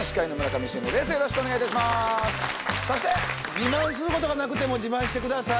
自慢することがなくても自慢してください。